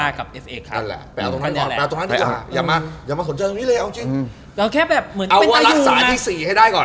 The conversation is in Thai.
ฮ่าฮ่าฮ่าฮ่าฮ่า